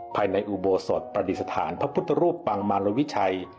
ภายในอุโบสถประดิษฐานพระพุทธรูปปังมารวิชัย